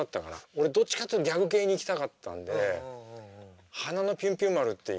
俺どっちかっていうとギャグ系にいきたかったんで「花のピュンピュン丸」っていう。